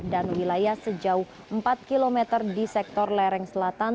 dan wilayah sejauh empat kilometer di sektor lereng selatan